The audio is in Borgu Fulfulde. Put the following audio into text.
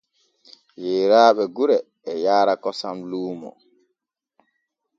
Yeeraaɓe gure e yaara kosam luumo.